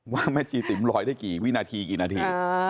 ว่าแม่จีติ๋มลอยได้กี่วินาทีกี่นาที